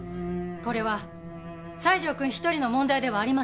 これは西条くん一人の問題ではありません。